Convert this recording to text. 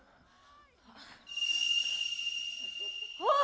あっ！